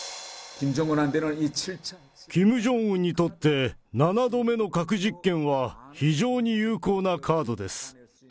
キム・ジョンウンにとって、７度目の核実験は非常に有効なカードです。